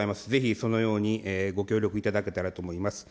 ぜひそのようにご協力いただけたらと思います。